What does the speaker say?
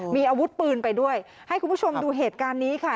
มีอาวุธปืนไปด้วยให้คุณผู้ชมดูเหตุการณ์นี้ค่ะ